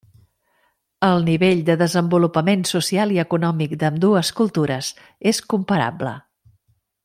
El nivell de desenvolupament social i econòmic d'ambdues cultures és comparable.